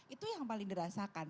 itu yang paling dirasakan